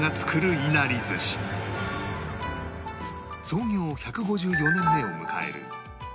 創業１５４年目を迎える遠州家